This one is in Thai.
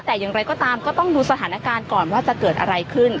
แต่อย่างไรก็ตามก็ต้องดูสถานการณ์ก่อนว่าจะเกิดอะไรขึ้น